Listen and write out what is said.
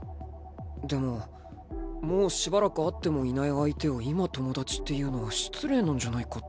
でももうしばらく会ってもいない相手を今友達っていうのは失礼なんじゃないかって思って。